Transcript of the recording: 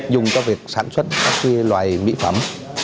dùng cho việc sản xuất các loài mỹ phẩm